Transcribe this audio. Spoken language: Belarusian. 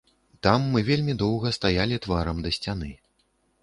Там мы вельмі доўга стаялі тварам да сцяны.